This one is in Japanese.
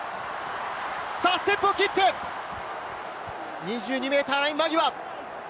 ステップを切って、２２ｍライン間際。